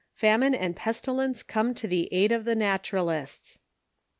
FAJIINE AND PESTILENCE COME TO THE AID OF THE NATURALISTS.